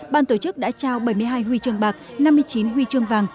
ban tổ chức đã trao bảy mươi hai huy chương bạc năm mươi chín huy chương vàng